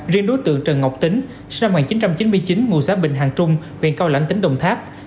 riêng đối tượng trần ngọc tính sinh năm một nghìn chín trăm chín mươi chín ngụ xã bình hàng trung huyện cao lãnh tỉnh đồng tháp